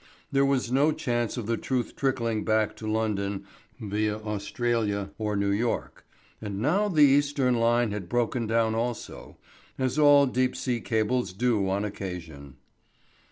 There was no chance of the truth trickling back to London viâ Australia or New York. And now the Eastern line had broken down also, as all deep sea cables do on occasion.